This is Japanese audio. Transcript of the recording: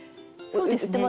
そうですね。